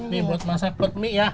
ini buat masak pot mie ya